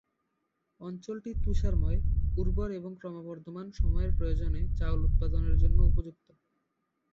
অঞ্চলটি তুষারময়, উর্বর এবং ক্রমবর্ধমান সময়ের প্রয়োজনে চাউল উৎপাদনের জন্য উপযুক্ত।